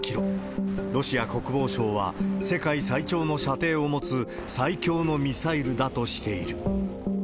ロシア国防省は、世界最長の射程を持つ最強のミサイルだとしている。